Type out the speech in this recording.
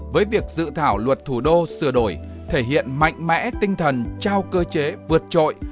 với việc dự thảo luật thủ đô sửa đổi thể hiện mạnh mẽ tinh thần trao cơ chế vượt trội